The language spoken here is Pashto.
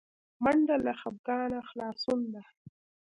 منډه له خپګانه خلاصون ده